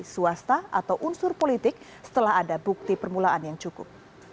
swasta atau unsur politik setelah ada bukti permulaan yang cukup